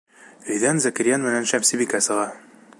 Өйҙән Зәкирйән менән Шәмсебикә сыға.